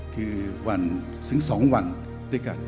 คือวันถึง๒วันด้วยกัน